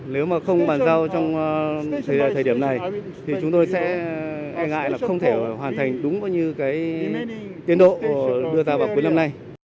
nếu mà không bàn giao trong thời điểm này thì chúng tôi sẽ e ngại là không thể hoàn thành đúng như cái tiến độ đưa ra vào cuối năm nay